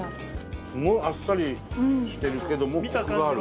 すごいあっさりしてるけどもコクがある。